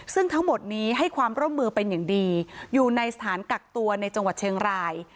ซึ่งทั้งหมดนี้ให้ความร่วมมือเป็นอย่างดีอยู่ในสถานกักตัวในจังหวัดเชียงราย